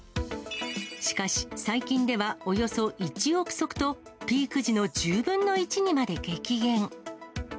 しかし、最近ではおよそ１億足と、ピーク時の１０分の１にまで激減。